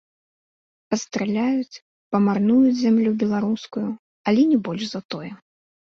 Пастраляюць, памарнуюць зямлю беларускую, але не больш за тое.